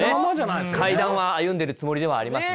階段は歩んでるつもりではありますね。